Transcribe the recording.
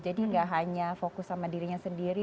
jadi gak hanya fokus sama dirinya sendiri